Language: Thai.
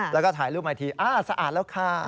แล้วก็ถ่ายรูปมาอีกทีอ้าวสะอาดแล้วค่ะ